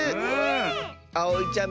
あおいちゃん